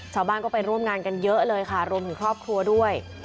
ชาวบ้านก็ไปร่วมงานกันเยอะเลยค่ะรวมถึงครอบครัวด้วย